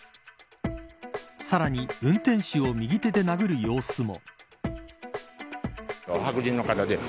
さらに運転手を右手で殴る様子も。